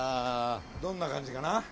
どんな感じかな？